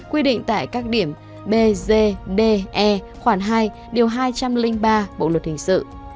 quy định tại các điểm b d d e khoảng hai điều hai trăm linh ba bộ luật hình sự